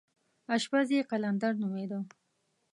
اشپز یې قلندر نومېده.